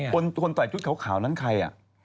คนต่อยชุดขาวนั่งใคร